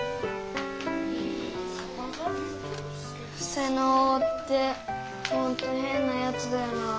妹尾ってほんとへんなやつだよな。